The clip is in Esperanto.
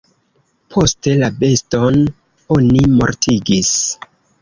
Poste la beston oni mortigis.